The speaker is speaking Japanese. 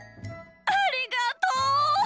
ありがとう！